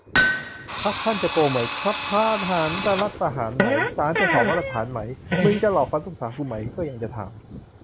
พรรคท่านจะโกงไหมครับ ทหารจะรัฐประหารไหม ศาลจะสองมาตรฐานไหม มึงจะหลอกฟันลูกสาวกูไหม ก็ยังจะถาม